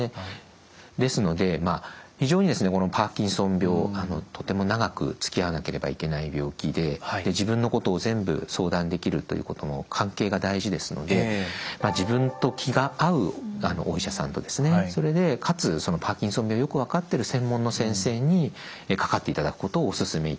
ですので非常にこのパーキンソン病とても長くつきあわなければいけない病気で自分のことを全部相談できるということの関係が大事ですので自分と気が合うお医者さんとそれでかつパーキンソン病をよく分かってる専門の先生に掛かっていただくことをお勧めいたします。